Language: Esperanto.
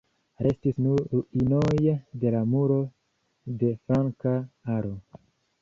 Restis nur ruinoj de la muro de flanka alo.